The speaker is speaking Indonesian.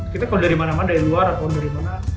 kita kalau dari mana mana dari luar atau dari mana